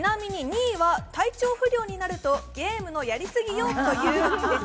ちなみに２位は体調不良になるとゲームのやりすぎよと言う。